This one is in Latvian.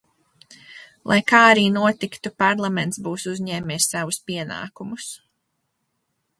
Lai kā arī notiktu, Parlaments būs uzņēmies savus pienākumus.